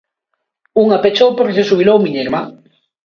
Unha pechou porque se xubilou miña irmá.